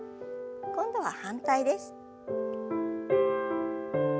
今度は反対です。